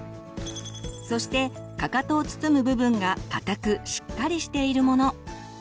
そしてかかとを包む部分が硬くしっかりしているもの。